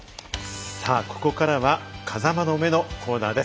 ここからは「風間の目」のコーナーです。